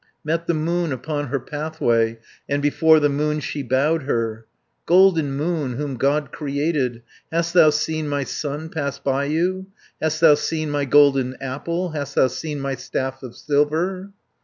160 Met the moon upon her pathway, And before the moon she bowed her. "Golden moon, whom God created, Hast thou seen my son pass by you; Hast thou seen my golden apple, Hast thou seen my staff of silver?"